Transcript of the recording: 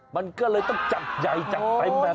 มันก็เลยต้องจักใหญ่จักใหม่แบบนี้ครับ